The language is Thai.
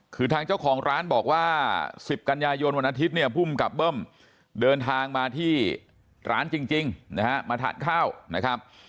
คือทางเจ้าของร้านบอกว่า๑๐กันยายนวันอาทิตย์เนี่ยภูมิกับเบิ้มเดินทางมาที่ร้านจริงนะฮะมาทานข้าวนะครับ